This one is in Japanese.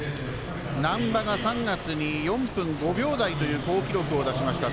難波が３月に４分５秒台という好記録を出しました。